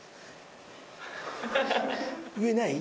上ない？